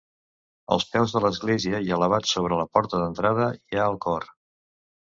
Als peus de l'església i elevat sobre la porta d'entrada hi ha el cor.